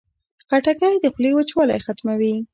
خټکۍ د خولې وچوالی ختموي.